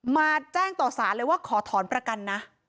มาแจ้งต่อสารเลยว่าขอถอนประกันนะ